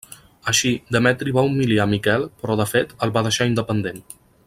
Així Demetri va humiliar a Miquel però de fet el va deixar independent.